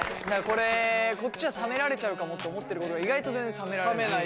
これこっちは冷められちゃうかもって思ってることが意外と全然冷められない。